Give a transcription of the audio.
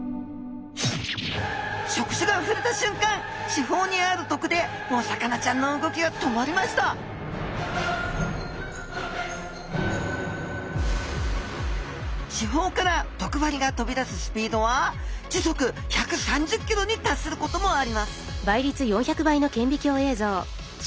触手がふれたしゅんかん刺胞にある毒でお魚ちゃんの動きが止まりました刺胞から毒針が飛び出すスピードは時速１３０ｋｍに達することもあります